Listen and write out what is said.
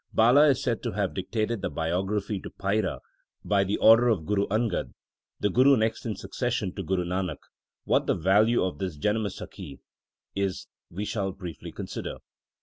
Bala is said to have dictated the biography to Paira by order of Guru Angad, the Guru next in succession to Guru Nanak. What thr value of this Janamsakhi is we shall briefly consider.